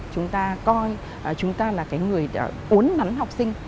chúng ta coi chúng ta là cái người uốn nắn học sinh